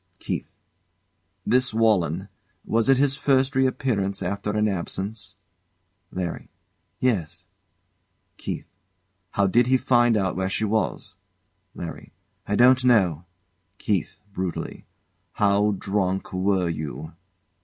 KEITH. This Walenn was it his first reappearance after an absence? LARRY. Yes. KEITH. How did he find out where she was? LARRY. I don't know. KEITH. [Brutally] How drunk were you?